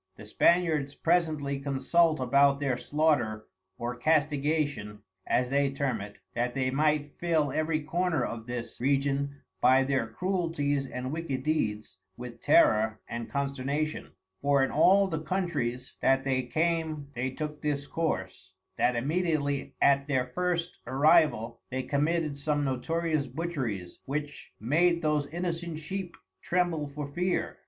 The Spaniards presently consult about their slaughter or castigation (as they term it) that they might fill every corner of this Region by their Cruelties and wicked Deeds with terror and consternation; for in all the Countries that they came they took this course, that immediately at their first arrival they committed some notorious butcheries, which made those Innocent Sheep tremble for fear.